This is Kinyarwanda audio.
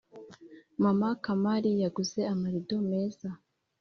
maman kamari yaguze amarido meza